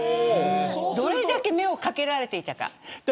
どれだけ目をかけられていたか。